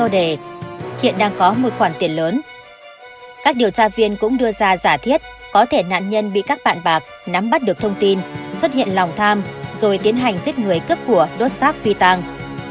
các điều tra viên cũng đưa ra giả thiết có thể nạn nhân bị các bạn bạc nắm bắt được thông tin xuất hiện lòng tham rồi tiến hành giết người cướp của đốt xác phi tàng